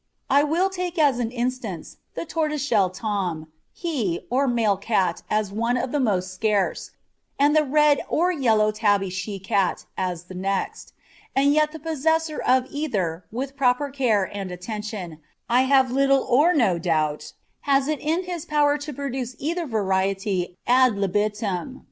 I will take as an instance the tortoiseshell tom, he, or male cat as one of the most scarce, and the red or yellow tabby she cat as the next; and yet the possessor of either, with proper care and attention, I have little or no doubt, has it in his power to produce either variety ad libitum.